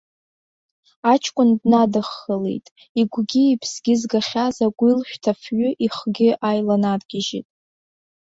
Аҷкәын днадххылеит, игәгьы, иԥсгьы згахьаз агәилшәҭы афҩы ихгьы ааиланаргьежьит.